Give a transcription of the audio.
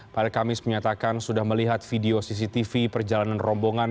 pada kamis menyatakan sudah melihat video cctv perjalanan rombongan